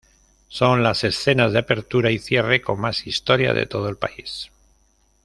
Son las escenas de apertura y cierre con más historia de todo el país.